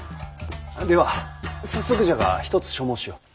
では早速じゃが一つ所望しよう。